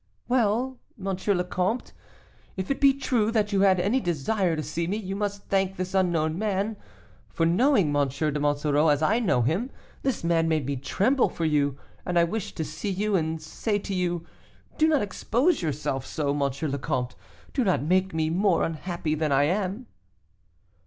"Well! M. le Comte, if it be true that you had any desire to see me, you must thank this unknown man; for knowing M. de Monsoreau as I know him, this man made me tremble for you, and I wished to see you and say to you, 'Do not expose yourself so, M. le Comte; do not make me more unhappy than I am.